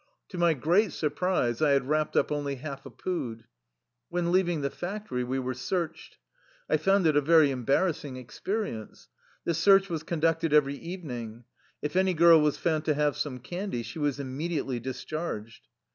To my great surprise I had wrapped up only half a pood. When leaving the factory we were searched. I found it a very embarrassing experience. This search was conducted every evening. If any girl was found to have some candy, she was immediately discharged.